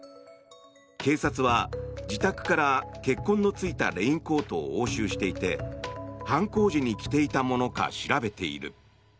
警察は自宅から血痕のついたレインコートを押収していて犯行時に着ていたものか調べている。